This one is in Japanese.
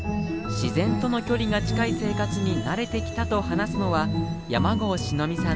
自然との距離が近い生活に慣れてきたと話すのは山郷志乃美さん